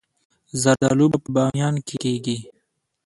زردالو په بامیان کې کیږي